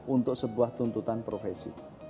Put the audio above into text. untuk sebuah tuntutan profesi